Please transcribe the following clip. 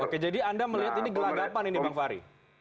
oke jadi anda melihat ini gelagapan ini bang fahri